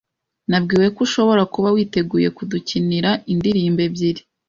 Nabwiwe ko ushobora kuba witeguye kudukinira indirimbo ebyiri.